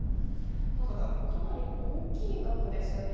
ただこれかなり大きい額ですよね。